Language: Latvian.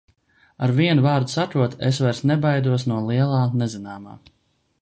Ar vienu vārdu sakot, es vairs nebaidos no lielā nezināmā.